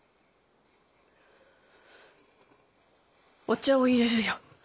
お茶を入れるよ。